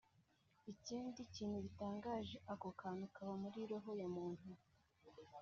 Ikindi kintu gitangaje aka kantu kaba muri roho ya muntu